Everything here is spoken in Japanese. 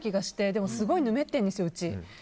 でも、うちすごいぬめってるんですよ。